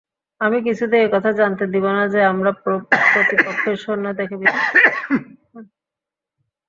আমি কিছুতেই একথা জানতে দিব না যে, আমরা প্রতিপক্ষের সৈন্য দেখে ভীত।